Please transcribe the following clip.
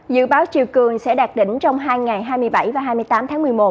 dự báo chiều cường sẽ đạt đỉnh trong hai ngày hai mươi bảy và hai mươi tám tháng một mươi một